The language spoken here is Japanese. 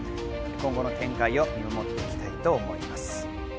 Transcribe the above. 今後の展開を見守っていきたいと思います。